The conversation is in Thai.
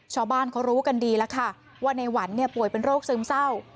ชาวบ้านเขารู้กันดีแล้วค่ะว่าในหวันเนี่ยป่วยเป็นโรคซึมเศร้า